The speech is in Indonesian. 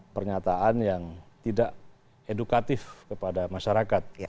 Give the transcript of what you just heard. pernyataan yang tidak edukatif kepada masyarakat